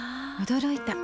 驚いた。